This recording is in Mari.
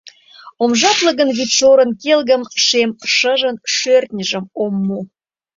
Ом жапле гын вӱдшорын келгым, Шем шыжын шӧртньыжым ом му.